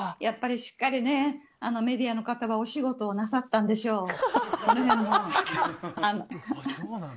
しっかりメディアの方がお仕事をなさったんでしょう。